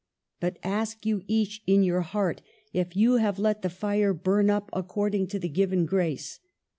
But ask you each in your heart if you have let the fire burn up according to the given grace.